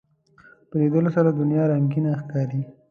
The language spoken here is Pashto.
په لیدلو سره دنیا رنگینه ښکاري